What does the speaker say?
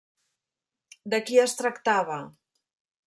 De qui es tractava?